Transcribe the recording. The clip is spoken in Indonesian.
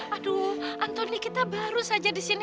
aduh anthony kita baru saja disini